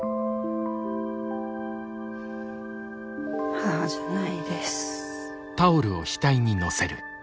母じゃないです。